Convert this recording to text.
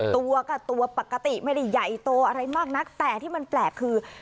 ตัวก็ตัวปกติไม่ได้ใหญ่โตอะไรมากนักแต่ที่มันแปลกคือ